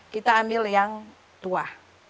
kita ambil yang tua